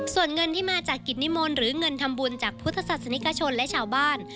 ส่วนเงินที่มาจากกิจนิมนต์หรือเงินทำบุญจากพุทธศาสนิกชนและชาวบ้าน